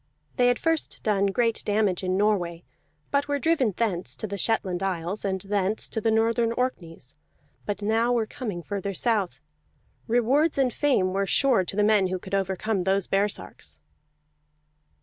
They had first done great damage in Norway, but were driven thence to the Shetland Isles, and thence to the northern Orkneys, but now were coming further south. Rewards and fame were sure to the men who could overcome those baresarks.